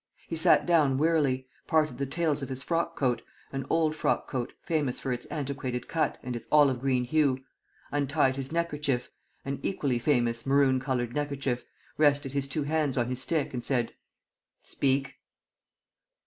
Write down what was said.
He sat down wearily, parted the tails of his frock coat an old frock coat, famous for its antiquated cut and its olive green hue untied his neckerchief an equally famous maroon coloured neckerchief, rested his two hands on his stick, and said: "Speak!"